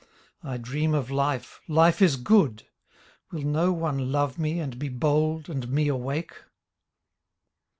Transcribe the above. I dream of life, life is good. Will no one love me and be bold And me awake?